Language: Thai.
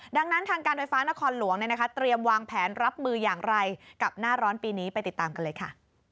ดังนั้นทางการไฟฟ้านครหลวงเตรียมวางแผนรับมืออย่างไรกับหน้าร้อนปีนี้ไปติดตามกันเลยค่ะ